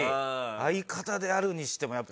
相方であるにしてもやっぱ。